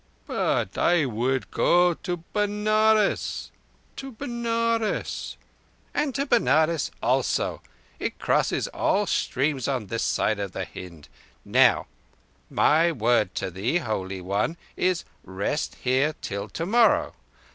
"But I would go to Benares—to Benares." "And to Benares also. It crosses all streams on this side of Hind. Now my word to thee, Holy One, is rest here till tomorrow.